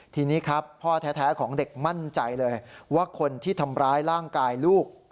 ทีนี้ครับพ่อแท้ของเด็กมั่นใจเลยว่าคนที่ทำร้ายร่างกายลูก